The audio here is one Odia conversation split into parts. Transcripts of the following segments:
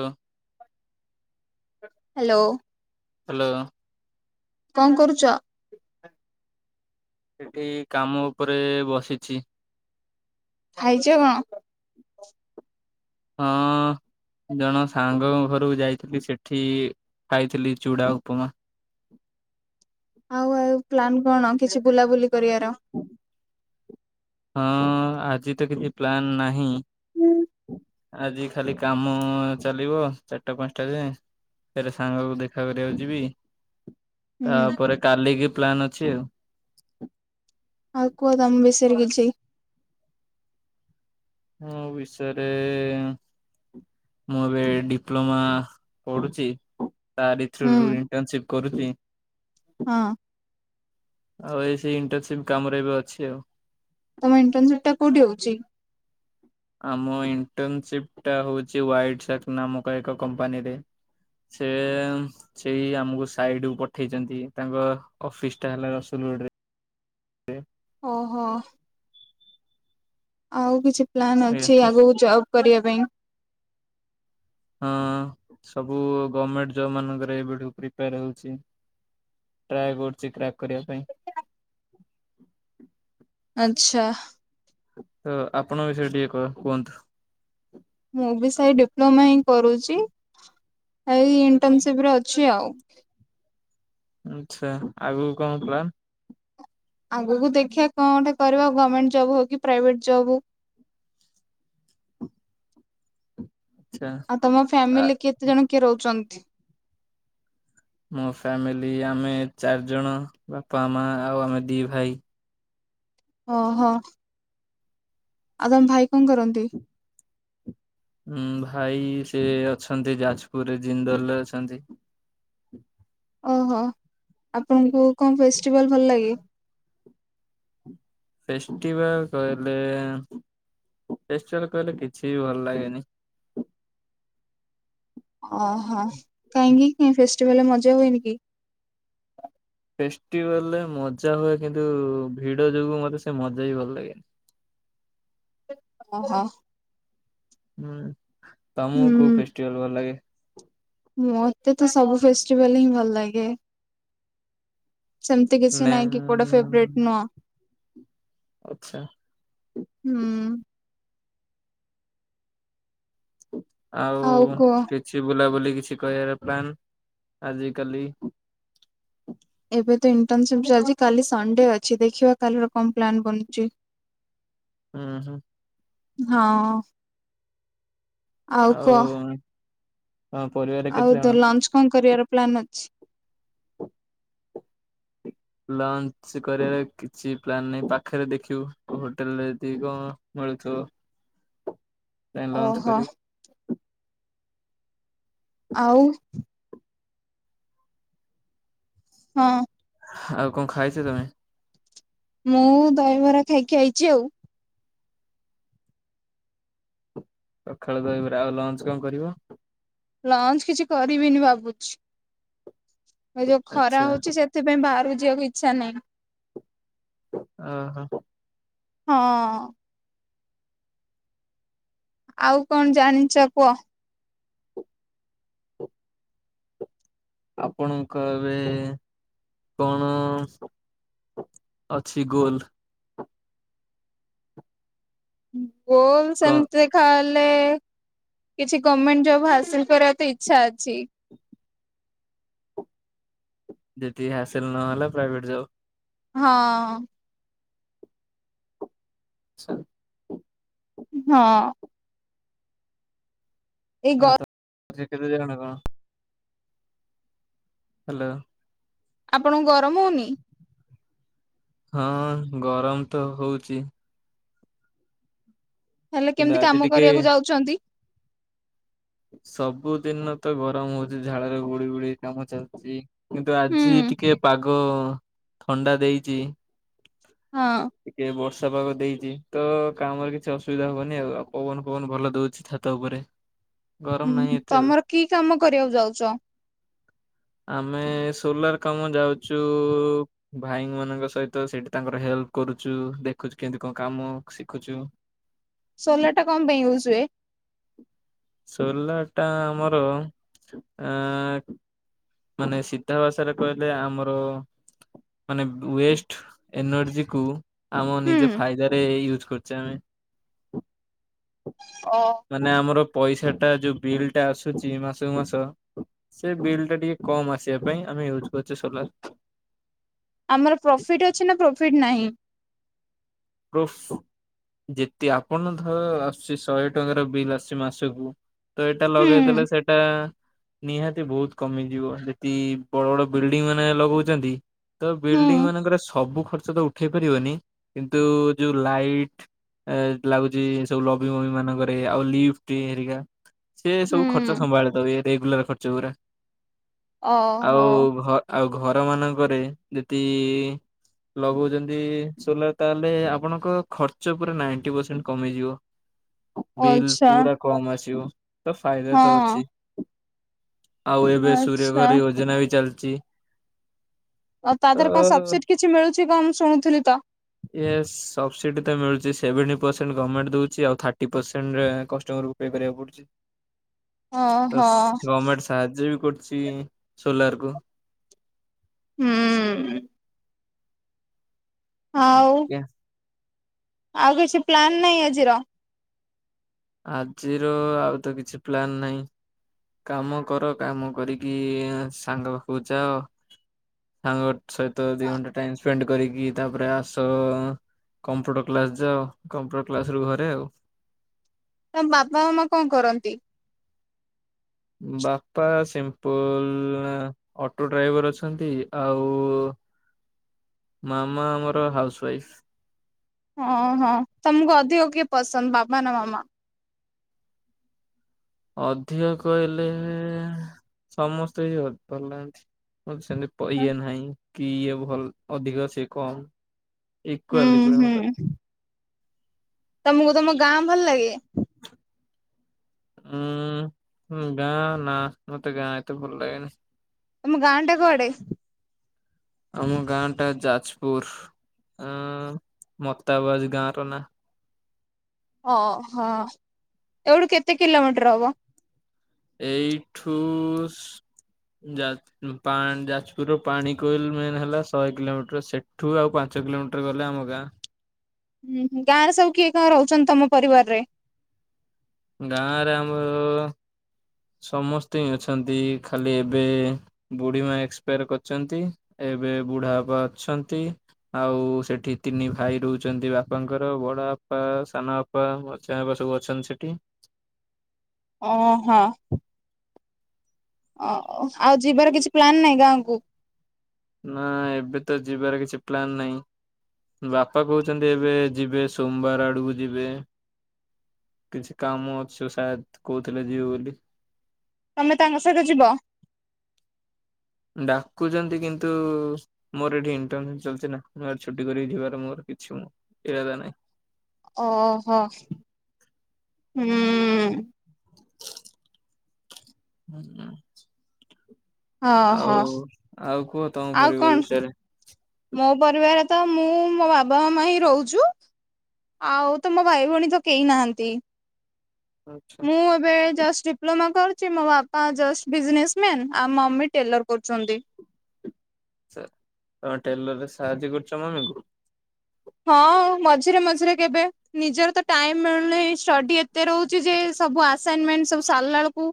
ହଁ ହ୍ୟାଲୋ ହ୍ୟାଲୋ କଣ କରୁଛ? ସେଠି କାମ ଉପରେ ବସିଛି ଖାଇଛ କଣ? ହଁ ଜଣେ ସାଙ୍ଗ ଘରୁକୁ ଯାଇଥିଲି ସେଠି ଖାଇଥିଲି ଚୁଡ଼ା ଉପମା ଆଉ ଆଉ ପ୍ଲାନ୍ କଣ କିଛି ବୁଲାବୁଲି କରିବାର ହଁ ଆଜି ତ କିଛି ପ୍ଲାନ ନାହିଁ। ହୁଁ ହଁ ଆଜି ଖାଲି କାମ ଚାଲିବ ଚାରିଟା ପାଞ୍ଚଟା ଯାଏଁ ଫେରେ ସାଙ୍ଗକୁ ଦେଖା କରିବାକୁ ଯିବି। ତାପରେ କାଲିକି ପ୍ଲାନ ଅଛି ଆଉ। ଆଉ କୁହ ତମ ବିଷୟରେ କିଛି। ମୋ ବିଷୟରେ ମୁଁ ଏବେ ଡିପ୍ଲୋମା ପଢୁଚି ତାରି ଥ୍ରୋ ହୁଁ ରୁ ଇଣ୍ଟରସିପ୍ କରୁଚି। ହଁ। ଆଉ ଏଇ ସେଇ ଇଣ୍ଟରସିପ୍ କାମରେ ଏବେ ଅଛି ଆଉ। ତମ ଇଣ୍ଟନସିପ୍ ଟା କୋଉଠି ହଉଚି। ଆମ ଇଣ୍ଟନସିପ୍ ଟା ହଉଚି ୱାଇଟସାକ୍ ନାମକ ଏକ କମ୍ପାନୀରେ ସେ ସେଇ ଆମକୁ ସାଇଟ୍ କୁ ପଠେଇଚନ୍ତି ତାଙ୍କ ଅଫିସ ଟା ହେଲା ରସୁଲଗୋଡରେ। ଓହୋ। ଆଉ କିଛି ପ୍ଲାନ୍ ଆଜ୍ଞା ଅଛି ଆଗକୁ ଯବ୍ କରିବା ପାଇଁ। ହଁ ସବୁ ଗର୍ମେଣ୍ଟ ଜବ ମାନଙ୍କରେ ଏବେଠୁ ପ୍ରିପେୟାର ହଉଚି ଟ୍ରାଏ କରୁଚି କ୍ରାକ୍ କରିବା ପାଇଁ। ଆଚ୍ଛା। ତ ଆପଣଙ୍କ ବିଷୟରେ ଟିକେ କ କୁହନ୍ତୁ। ମୁଁ ବି ସେଇ ଡିପ୍ଲୋମା ହିଁ କରୁଚି ଏଇ ଇଣ୍ଟର୍ନସିପ୍ ରେ ଅଛି ଆଉ। ଆଛା ଆଗୁକୁ କଣ ପ୍ଲାନ? ଆଗକୁ ଦେଖିବା କଣ ଗୋଟେ କରିବା ଆଉ ଗମେଣ୍ଟ ଜବ୍ ହଉ କି ପ୍ରାଇଭେଟ୍ ଜବ ହଉ। ଆଚ୍ଛା। ଆଉ ତମ ଆ ଫ୍ୟାମିଲି କେତେ ଜଣ କିଏ ରୋହୁଚନ୍ତ ତି ମୋ ଫ୍ୟାମିଲି ଆମେ ଚାରି ଜଣ ବାପା ମା ଆଉ ଆମେ ଦିଇ ଭାଇ। ଓ ହୋ। ଆଉ ତମ ଭାଇ କଣ କରନ୍ତି? ଉଁ ଭାଇ ସେ ଅଛନ୍ତି ଯାଜପୁରରେ ଜିନ୍ଦଲ ରେ ଅଛନ୍ତି। ଓହୋ ଆପଣଙ୍କୁ କଣ ଫେଷ୍ଟିବାଲ ଭଲ ଲାଗେ? ଫେଷ୍ଟିଭାଲ କହିଲେ ଫେଷ୍ଟିଭାଲ କହିଲେ କିଛି ବି ଭଲ ଲାଗେନି। ଓହୋ କାହିଁକି କାଇଁ ଫେସ୍ ସ୍ଟିଭାଲରେ ମଜା ହୁଏନି କି? ଫେଷ୍ଟିଭାଲରେ ମଜା ହୁଏ କିନ୍ତୁ ଭିଡ ଯୋଗୁ ମତେ ସେ ମଜା ହିଁ ଭଲ ଲାଗେନି। ଓ ହୋ। ହୁଁ ତମକୁ କୋଉ ଫେଷ୍ଟିଭାଲ ଭଲ ଲାଗେ। ମତେ ତ ସବୁ ଫେଷ୍ଟିଭାଲ ହିଁ ଭଲ ଲାଗେ। ସେମିତି କିଛି ନା ନାଇଁ କି କୋଉଟା ଫେବରେଟ ନୁହଁ ଆଚ୍ଛା ହୁଁ। ଓ [unintelligible] ଆଉ କିଛି ବୁଲାବୁଲି କିଛି କରିବାର ପ୍ଲାନ୍ ଆଜିିକାଲି। ଏବେ ତ ଇଣ୍ଟର୍ନସିପ ଚାଲିଛି କାଲି ସଣ୍ଡେ ଅଛି ଦେଖିବା କାଲି ର କଣ ପ୍ଲାନ୍ ବନୁଛି। ହୁଁ ହୁଁ। ହଁ। ଆଉ ତମ ପରିବାରରେ ଆଉ କେତେ ଜଣ? ତ ଲଞ୍ଚ କଣ କରିବାର ପ୍ଲାନ୍ ଅଛି। ଲଞ୍ଚ କରିବାର କିଛି ପ୍ଲାନ ନାହିଁ ପାଖରେ ଦେଖିବୁ ହୋଟେଲରେ ଯଦି କଣ ମିଳୁଥିବ। ଯାଇ ଲଞ୍ଚ ଓହୋ କରିବୁ। ଆଉ। ହଁ। ଆଉ କଣ ଖାଇଛ ତମେ। ମୁଁ ଦହିବରା ଖାଇକି ଆଇଚି ଆଉ। ସଖାଳ ଦହିବରା ଆଉ ଲଞ୍ଚ କଣ କରିବ? ଲଞ୍ଚ କିଛି କରିବିନି ଭାବୁଛି। ଏ ଯୋଉ ଖରା ଆଚ୍ଛା ହଉଚି ସେଥିପାଇଁ ବାହହାରକୁ ଯିବାକୁ ଇଚ୍ଛା ନାହିଁ। ଅ ହୋ। ହଁ। ଆଉ କଣ ଜାଣିଛ କୁହ। ଆପଣଙ୍କ ଏବେ କଣ ଅଛି ଗୋଲ? ହୁ। ଗୋଲ କଣ ସେମତି ଖାଲ ଲେ କିଛି ଗମେଣ୍ଟ ଜବ ହାସିଲି କରିବାର ତ ଇଚ୍ଛା ଅଛି। ଯଦି ହାସିଲି ନହଲା ପ୍ରାଇଭେଟ ଜବ ହଁ। [unintelligible] ହଁ। ଏଇ ହଁ ଗ [unintelligible] ହାଲୋ। ଆପଣଙ୍କୁ ଗ ରମ ହଉନି। ହଁ ଗରମ ତ ହଉଚି। ହେଲେ କିନ୍ତୁ କେମିତି ଆଜି କାମ ଟିକେ କରିବାକୁ ଯାଉଚନ୍ତି। ସବୁଦିନ ତ ଗରମ ହଉଚି ଝାଳରେ ଗୁଡି ଗୁଡି କାମ ଚାଲିଚି। କିନ୍ତୁ ହୁଁ ଆଜି ଟିକେ ପାଗ ଥଣ୍ଡା ଦେଇଚି। ହଁ ଏ ବର୍ଷ ତ ପାଗ ଦେଇଚି ତ କାମରେ କିଛି ଅସୁବିଧା ହବନି ଆଉ ଆଉ ପବନ ଫବନ ଭଲ ଦଉଛି ଛାତ ଉପରେ। ଗରମ ଉଁ ହୁଁ ନାହିଁ ଏତେ ଆଉ ତମର କି କାମ କରିବାକୁ ଯାଉଚ। ଆମେ ସୋଲାର କାମ ଯାଉଚୁ ଭାଇ ମାନଙ୍କ ସହିତ ସେଇଠି ତାଙ୍କର ହେଲ୍ପ କରୁଚୁ ଦେଖୁଚୁ କେନ୍ତି କଣ କାମ ଶିଖୁଚୁ। ସୋଲାର ଟା କଣ ପାଇଁ ୟୁଜ ହୁଏ? ସୋଲାର ଟା ଆମର, ଏ ମାନେ ସିଧା ଭାଷାରେ କହିଲେ ଆମର ମାନେ ୱେଷ୍ଟ ଏନର୍ଜିକୁ ଆମ ହୁଁ ନିଜେ ଫାଇଦାରେ ଇଉ କରୁଛ ଆମେ ଓ ମାନେ, ଆମର ପଇସାଟା ଯୋଉ ବିଲ୍ ଟା ଆସୁଛି ମାସକୁ ମାସ ସେ ବିଲ୍ ଟା ଟିକେ କମ ଆସିବା ପାଇଁ ଆମେ ୟୁଜ କରୁଛେ ସୋଲାର। ଆମର ପ୍ରଫିଟ୍ ଅଛି ନା ପ୍ରଫିଟ ନାହିଁ? ଓପସ୍ ଯେତେ ଆପଣ ଧର ଆସୁଛି ଶହେ ଟଙ୍କାର ବିଲ୍ ଆସଛି ମାସକୁ ତ ଏଇଟା ହୁଁ ଲଗେଇଦେଲେ ସେଇଟା ନିହାତି ବହୁତ କମିଯିବ ଯଦି ବଡ ବଡ ବିଲ୍ଡିଂ ମାନେ ଲଗାଉଛନ୍ତି ତ ହୁଁ ବିଲ୍ଡିଂ ମାନଙ୍କରେ ସବୁ ଖର୍ଚ୍ଚ ତ ଉଠେଇ ପାରିବନି କିନ୍ତୁ ତ ଯୋଉ ଲାଇଟ୍ ଲାଗୁଛି ସବୁ ଲବି ମବି ମାନଙ୍କରେ ଆଉ ଲିଫ୍ଟ ହେରିକା - ସେ ସବୁ ଖର୍ଚ୍ଚ ହୁଁ ସମ୍ଭାଳି ପାରିବେ- ରେଗୁଲାର ଖର୍ଚ୍ଚ ଗୁରା ଆଉ ଓହୋ ଘ ଆଉ ଘର ମାନଙ୍କରେ ଯଦି ଲଗଉଛନ୍ତି ସୋଲର ତାହେଲେ ଆପଣଙ୍କ ଖର୍ଚ୍ଚ ପୁର ନାଇଣ୍ଟି ପରସେଣ୍ଟ କମିଯିବ। ବିଲ୍ ଆଚ୍ଛା। ପୁରା କମ ଆସିବ ତ ଫାଇଦା ହଁ ତ ଅଛି। ଆଉ ଏବେ ସୂର୍ଯ୍ୟ ଆଚ୍ଛା ଘରେ ୟୋଜନା ବି ଚାଲି ଜି ଆଉ ତା ଦେହରେ କଣ ସବସିଡି କିଛି ମିଳୁଛି କଣ ମୁ ଶୁଣୁଥିଲି ତ। ୟେସ ସବସିଡି ତ ମିଳୁଛି ସେଭେଣ୍ଟି ପରସେଣ୍ଟ ଗମେଣ୍ଟ ଦଉଛି ଆଉ ଥାର୍ଟି ପରସେଣ୍ଟ କଷ୍ଟମରକୁ ପେ କରିବାକୁ ପଡୁଛି। ତ ଓହୋ ଗମେଣ୍ଟ ସାହାଯ୍ୟ ବି କରୁ ସି ସୋଲାର କୁ ହୁଁ। ହଉ ଆଜ୍ଞା ଆଉ କିଛି ପ୍ଲାନ ନାହିଁ ଆଜିର। ଆଜିର ଆଉ ତ କିଛି ପ୍ଲାନ ନାହିଁ। କାମ କର କାମ କରିକି ସାଙ୍ଗ ପାଖକୁ ଯାଅ ସାଙ୍ଗ ସହିତ ଦି ଘଣ୍ଟା ଟାଇମ ସ୍ପେଣ୍ଡ କରିକି ତାପରେ ଆସ କମ୍ପୁଟର କ୍ଲାସ ଯାଅ କମ୍ପୁଟର କ୍ଲାସ ରୁ ଘରେ ଆଉ। ତମ ବାପା ମାମା କଣ କରନ୍ତି? ବାପା ସିମ୍ପୁଲ ଅଟୋ ଡ୍ରାଇଭର ଅଛନ୍ତି ଆଉ ମାମା ଆମର ହାଉସ ୱାଇଫ। ହଁ, ହଁ ତମକୁ ଅଧିକ କିଏ ପସନ୍ଦ ବାବା ନା ମାମା? ଅଧିକ କହିଲେ ସମସ୍ତେ ବି ଭଲ ଲାଗନ୍ତି। ସେମିତି ଇଏ ନାହିଁ। କିଏ ଭଲ ଅଧିକ ସେ କମ୍ ହୁଁ ଇକୁଆଲି ପୁରା ହୁଁ ମତେ ତମକୁ ତମ ଗାଁ ଭଲ ଲାଗେ? ହୁଁ ଗାଁ ନା ମୋତେ ଗାଁ ଏତେ ଭଲ ଲାଗେନି। ତମ ଗାଁ ଟା କୁଆଡ଼େ? ଆମ ଗାଁ ଟା ଯାଜପୁର ଅ ମତାବାଜ ଗାଁ ର ନା। ଓହୋ ଏଇଠୁ କେତେ କିଲୋମିଟର ହବ? ଏଇଠୁ ଯାଜ୍ ଯାଜପୁରର ପାଣ କୋଇଲ ମେନ୍ ହେଲା ଶହେ କିଲୋମିଟର ସେଠୁ ଆଉ ପାଞ୍ଚ କିଲୋମିଟର ଗଲେ ଆମ ଗାଁ। ହୁଁ ଗାଁରେ ସବୁ କିଏ କଣ ରହୁଛନ୍ତି ତମ ପରିବାରରେ? ଗାଁରେ ଆମର ସମସ୍ତେ ହି ଅଛନ୍ତି ଖାଲି ଏବେ ବୁଢୀ ମା ଏକ୍ସପାୟାର କରିଛନ୍ତି ଏବେ ବୁଢା ବାପା ଅଛନ୍ତି ଆଉ ସେଠି ତିନି ଭାଇ ରହୁଛନ୍ତି ବାପାଙ୍କର ବଡ ବାପା ସାନ ବାପା ମଝିଆ ଛଆ ବାପା ସବୁ ଅଛନ୍ତି ସେଠି। ଓ ହୋ। ଓ ଆଉ ଯିବାର କିଛି ପ୍ଲାନ ନାଇଁ ଗାଁକୁ? ନା ଏବେ ତ ଯିବାର କିଛି ପ୍ଲାନ ନାହିଁ ବାପା କହୁଛନ୍ତି ଏବେ ଯିବେ ସୋମବାର ଆଡକୁ ଯିବେ କିଛି କାମ ଅଛି ଶାତ୍ କହୁଥିଲେ ଯିବେ ବୋଲି ତମେ ତାଙ୍କ ସହିତ ଯିବ? ଡାକୁଛନ୍ତି କିନ୍ତୁ ମୋର ଏଠି ଇଣ୍ଟର୍ନସିପ୍ ଚାଲିଛି ନା ଛୁଟି କରିକି ଯିବାର ମୋର କିଛି ଇରାଦା ନାହିଁ। ଓହୋ ହୁଁ। ହୁଁ। ଆଉ ଓହୋ ଆଉ କ କୁହ ତମ ଆଉ କଣ ପରିବାର ବିଷୟରେ? ମୋ ପରିବାର ତ ମୁଁ ମୋ ବାବା ମାମା ହିଁ ରହୁଛୁ ଆଉ ତ ମୋ ଭାଇ ଭଉଣୀ ତ କେହି ନାହାନ୍ତି। ଆଛା ମୁଁ ଏବେ ଜଷ୍ଟ ଡିପ୍ଲୋମା କର ମୋ ବାପା ଜଷ୍ଟ୍ ବିଜନେସ ମ୍ୟାନ ଟେଲର କରୁଛନ୍ତି। ସେଇୟା। ଟେଲର ରେ ସାହାଯ୍ୟ କରୁଛ ମମିଙ୍କୁ ହଁ ମଝିରେ ମଝିରେ କେବେ ନିଜର ତ ଟାଇମ ମିଳୁନି ଷ୍ଟଡି ଏତେ ରହୁଛି ଯେ ସବୁ ଆସାଇନମେଣ୍ଟ ସବୁ ସାରିଲା ବେଳକୁ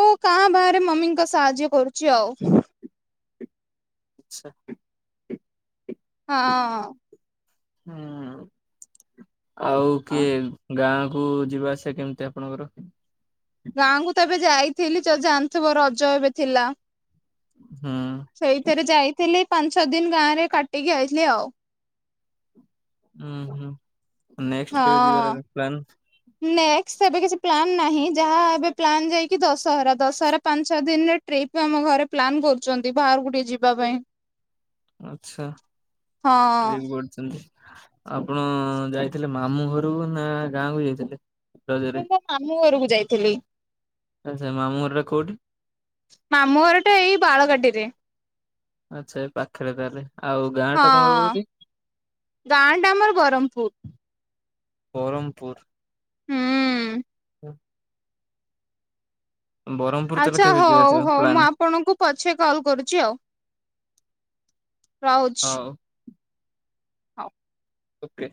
ଓ କାଁ ବାହାରେ ମମିଙ୍କ ସାହାଯ୍ୟ କରୁଛି ଆଉ। ଆଛା। ହଁ। ହୁଁ। ଆଉ ହଁ। କିଏ ଗାଁ ଆଗକୁ ଯିବା ଆସିବା କେମିତି ଆପଣଙ୍କର ଗାଁକୁ ତବେ ଯାଇଥିଲି ଜାଣିଥିବ ରଜ ଏବେ ଥିଲା ହୁଁ ସେଇଥିରେ ଯାଇଥିଲି। ପାଞ୍ଚ ଛଅ ଦିନ ଗାଁରେ କାଟିକି ଆଇଥିଲି ଆଉ ହଁ ହଁ ନେକଷ୍ଟ୍ କେଉ ଯିବ ପ୍ ଏ କିଛି ପ୍ଲାନ ନାହିଁ ଯାହା ଏ ପ୍ଲାନ୍ ଯାଇକି ଦଶହରା ଦଶହରା ପାଞ୍ଚ ଛଅ ଦିନରେ ଟ୍ରିପ ଆମ ଘରେ ପ୍ନ୍ କରୁଛନ୍ତି ବାହାରକୁ ଟିକେ ଯିବା ପାଇଁ। ଆଛା ହଁ ଟିକ ବଢିଛନ୍ତି। ଆପଣ ଯାଇଥିଲେ ମାମୁଁ ଘରୁକୁ ନା ଗାଁ କୁ ଯାଇଥିଲେ। ରଜରେ ମୁଁ ମାମୁଁଘରକୁ ଯାଇଥିଲି। ଆ ମାମୁଁଘର ଟା କୋଉଠି ମାମୁଁ ଘର ଟା ଏଇ ବାଳଗାଟିରେ ଆଛା ଏ ପାଖରେ ତାହେଲେ। ଆଉ ଗାଁ ହଁ ଟା ତମର କୋଉଠି? [inaudible] ଗାଁଟ ଆମର ବ୍ରରହମପୁର। ବରହମପୁର। ହୁଁ ହଁ ତାହେଲେ ଆଚ୍ଛା କେବେ ଯିବା ହଉ ଆସିବା ହଉ ମୁଁ ପ୍ଲାନ୍ ଆପଣଙ୍କୁ ପଛେ କଲ୍ କରୁଛି ଆଉ ରହୁଛି। ହଉ ହଉ ଓକେ।